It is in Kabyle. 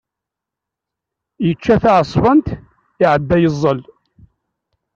Yečča taεṣebant, iεedda yeẓẓel.